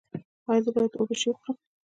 ایا زه باید اوربشې وخورم؟